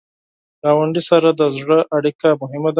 ګاونډي سره د زړه اړیکه مهمه ده